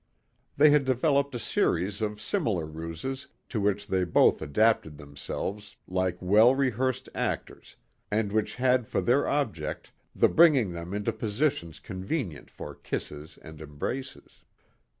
They had developed a series of similar ruses to which they both adapted themselves like well rehearsed actors and which had for their object the bringing them into positions convenient for kisses and embraces.